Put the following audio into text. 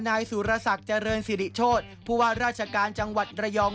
นายสุรศักดิ์เจริญสิริโชธผู้ว่าราชการจังหวัดระยอง